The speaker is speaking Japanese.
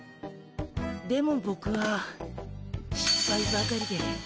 でもボクはしっぱいばかりで。